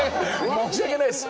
申し訳ないです。